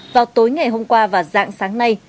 vào tối ngày hôm qua và dạng sáng nay